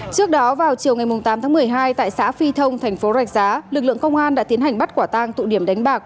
trước đó vào chiều ngày tám tháng một mươi hai tại xã phi thông thành phố rạch giá lực lượng công an đã tiến hành bắt quả tang tụ điểm đánh bạc